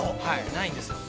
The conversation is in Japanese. ◆ないんですよ。